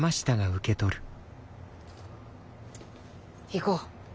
行こう。